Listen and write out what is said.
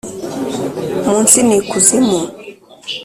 munsi ni kuzimu,